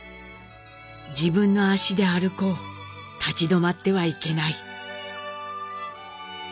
「自分の足で歩こうたち止まってはいけない」。